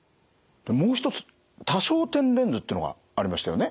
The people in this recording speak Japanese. もう一つ多焦点レンズっていうのがありましたよね。